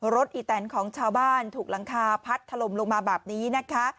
อีแตนของชาวบ้านถูกหลังคาพัดถล่มลงมาแบบนี้นะคะ